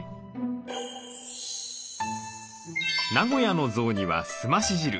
名古屋の雑煮はすまし汁。